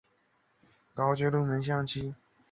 毛轴亚东杨为杨柳科杨属下的一个变种。